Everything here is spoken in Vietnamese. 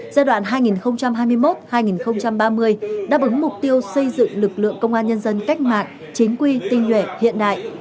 giai đoạn hai nghìn hai mươi một hai nghìn ba mươi đáp ứng mục tiêu xây dựng lực lượng công an nhân dân cách mạng chính quy tinh nhuệ hiện đại